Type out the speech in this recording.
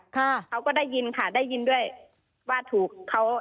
เขาก็ได้ยินค่ะได้ยินด้วยว่าถูกเขา